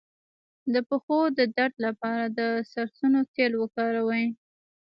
د پښو د درد لپاره د سرسونو تېل وکاروئ